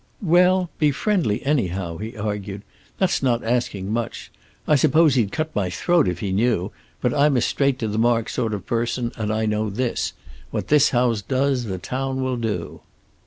"Well, be friendly, anyhow," he argued. "That's not asking much. I suppose he'd cut my throat if he knew, but I'm a straight to the mark sort of person, and I know this: what this house does the town will do."